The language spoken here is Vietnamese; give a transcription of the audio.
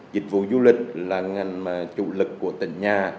dịch vụ du lịch là ngành chủ lực của tỉnh nhà